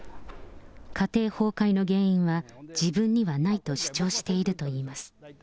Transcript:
家庭崩壊の原因は、自分にはないと主張しているといいます。